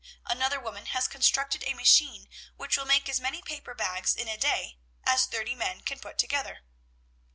"'Another woman has constructed a machine which will make as many paper bags in a day as thirty men can put together.'